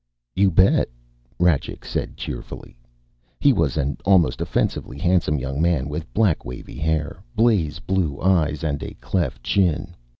"You bet," Rajcik said cheerfully. He was an almost offensively handsome young man with black wavy hair, blasé blue eyes and a cleft chin.